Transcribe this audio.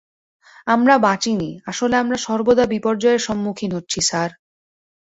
আমরা বাঁচিনি, আসলে আমরা সর্বদা বিপর্যয়ের সম্মুখীন হচ্ছি, স্যার!